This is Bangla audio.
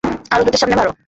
আরো জোটে সামনে বাড়ো!